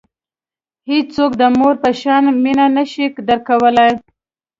هیڅوک د مور په شان مینه نه شي درکولای.